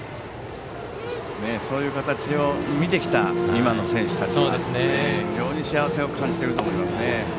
そういう形を見てきた今の選手たちは非常に幸せを感じていると思いますね。